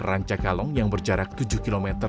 rancakalong yang berjarak tujuh km